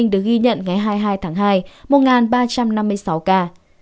được ghi nhận ngày hai mươi hai tháng hai một ba trăm năm mươi sáu ca